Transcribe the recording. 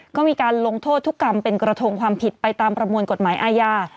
ก็มีการลงโทษทุกกรรมเป็นกระทงความผิดไปตามประมวลกฎหมายอาญา